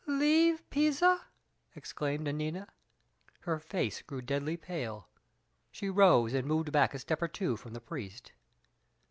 "Leave Pisa!" exclaimed Nanina. Her face grew deadly pale; she rose and moved back a step or two from the priest.